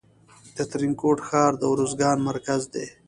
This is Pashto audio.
د ترینکوټ ښار د ارزګان مرکز دی